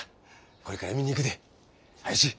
これから見に行くで。はよしぃ。